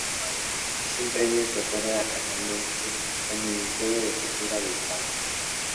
Es un premio que otorga anualmente el Ministerio de Cultura de España.